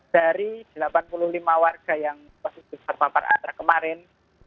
dari delapan puluh lima warga yang berpapar antraks kemarin